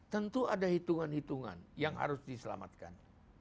tentu ada hitungan hitungan yang harus diselamatkan